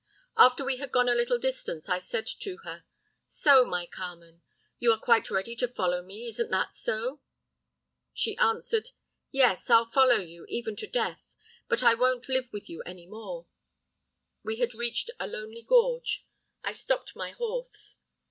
"After we had gone a little distance I said to her, 'So, my Carmen, you are quite ready to follow me, isn't that so?' "She answered, 'Yes, I'll follow you, even to death but I won't live with you any more.' "We had reached a lonely gorge. I stopped my horse.